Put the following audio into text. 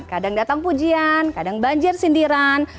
kadang datang pujian kadang banjir sindiran